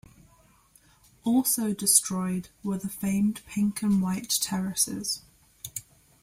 Also destroyed were the famed Pink and White Terraces.